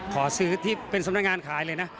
ขอซื้อที่เป็นสำนักงานขายเลยนะ